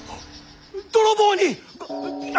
泥棒に！？